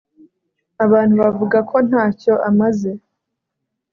abantu bavuga ko ntacyo amaze